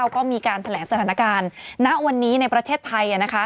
ก็มีการแถลงสถานการณ์ณวันนี้ในประเทศไทย